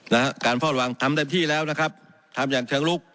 นะฮะการฟอดวางทำเต็มที่แล้วนะครับทำอย่างเชิงลุก